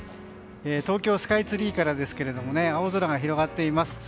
東京スカイツリーからですが青空が広がっています。